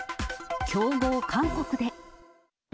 強豪韓国で。